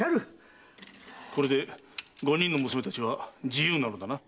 これで五人の娘たちは自由なのだな？